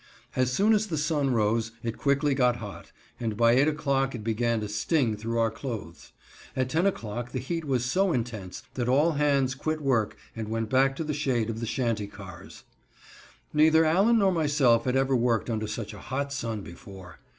As soon as the sun rose it quickly got hot, and by 8 o'clock it began to sting through our clothes. At 10 o'clock the heat was so intense that all hands quit work and went back to the shade of the shanty cars. Neither Allen nor myself had ever worked under such a hot sun before.